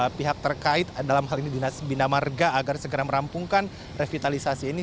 supaya pihak terkait dalam hal ini dinas binamarga agar segera merampungkan revitalisasi ini